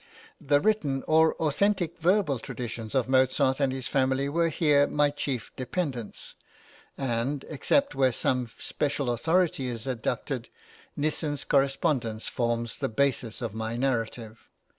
The written or authentic verbal traditions of Mozart and his family were here my chief dependence, and, except where some special authority is adduced, Nissen's correspondence forms the basis of my narrative.